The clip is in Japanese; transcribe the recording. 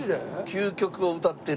究極をうたってる。